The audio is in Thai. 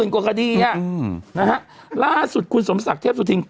๒๐๐๐๐กว่าคดีเนี่ยนะฮะล่าสุดคุณสมศักดิ์เทียบสู่ทิศ